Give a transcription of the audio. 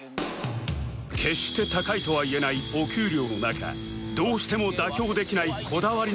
決して高いとは言えないお給料の中どうしても妥協できないこだわりの買い物が